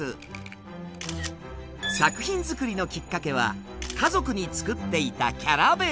作品作りのきっかけは家族に作っていたキャラ弁。